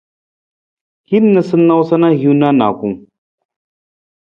Hin noosanoosa na hiwung na nijakung.